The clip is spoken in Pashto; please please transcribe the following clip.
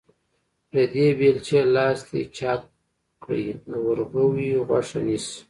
د دې بېلچې لاستي چاک کړی، د ورغوي غوښه نيسي.